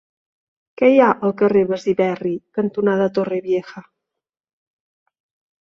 Què hi ha al carrer Besiberri cantonada Torrevieja?